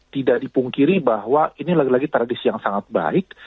tidak dipungkiri bahwa ini lagi lagi tradisi yang sangat baik